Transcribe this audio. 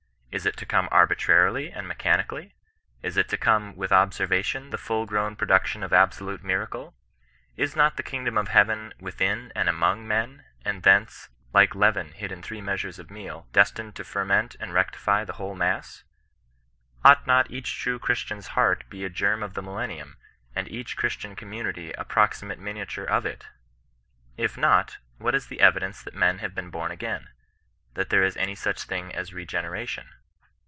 Is it to come arbitrarily and mechanically ? Is it to come ^' with observation," the full grown production of some absolute miracle ? Is not the kingdom <^{ Vis^^^^XL^^ ^^6i^c^ 13G CHRISTIAN I^ON RESISTANOE. in" and " among" men, and thence, like leayen hid in three measures of meal, destined to ferment and rectify the whole mass ] Ought not each true Christian's heart to be a germ of the millennimn, and each Christian com munity a proximate miniature of it 1 If not, what is the evidence that men haye been bom again — that there is any such thing as reaeneration?